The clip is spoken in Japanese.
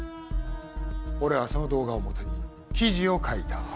俺はその動画をもとに記事を書いた。